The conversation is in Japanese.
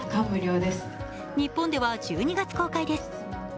日本では１２月公開です。